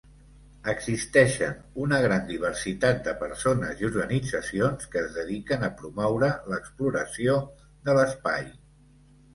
Existeixen una gran diversitat de persones i organitzacions que es dediquen a promoure l'exploració de l'espai.